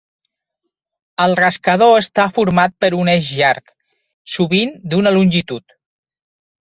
El rascador està format per un eix llarg, sovint d'una longitud.